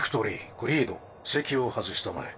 クリード席を外したまえ。